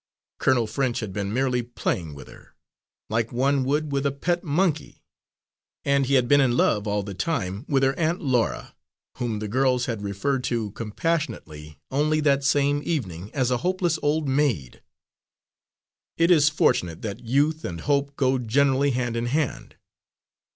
Colonel French had been merely playing with her, like one would with a pet monkey; and he had been in love, all the time, with her Aunt Laura, whom the girls had referred to compassionately, only that same evening, as a hopeless old maid. It is fortunate that youth and hope go generally hand in hand.